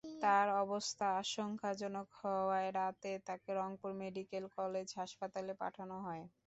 তাঁর অবস্থা আশঙ্কাজনক হওয়ায় রাতেই তাঁকে রংপুর মেডিকেল কলেজ হাসপাতালে পাঠানো হয়।